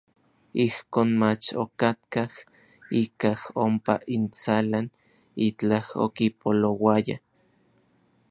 Ijkon mach okatkaj ikaj ompa intsalan itlaj okipolouaya.